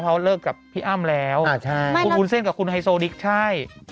เขาเลิกกับพี่อ้ำแล้วคุณวุ้นเส้นกับคุณไฮโซนิกใช่